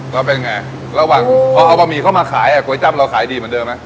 แล้วเป็นไงระหว่างพอเอาบะหมี่เข้ามาขายอ่ะก๋วยจับเราขายดีเหมือนเดิมไหม